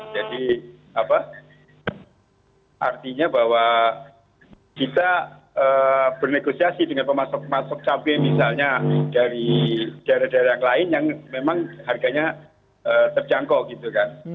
jadi artinya bahwa kita bernegosiasi dengan pemasok pemasok cabai misalnya dari daerah daerah yang lain yang memang harganya terjangkau